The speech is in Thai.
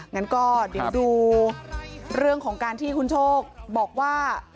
งั้นก็เดี๋ยวดูเรื่องของการที่คุณโชคบอกว่า